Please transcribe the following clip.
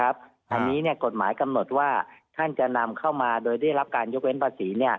อันนี้กฎหมายกำหนดว่าท่านจะนำเข้ามาโดยได้รับการยกเว้นภาษี